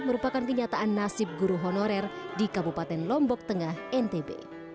merupakan kenyataan nasib guru honorer di kabupaten lombok tengah ntb